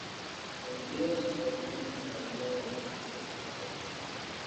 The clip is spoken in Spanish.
El río desemboca en una bahía del embalse de Sarátov.